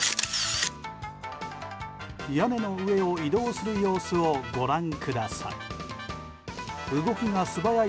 屋根の上を移動する様子をご覧ください。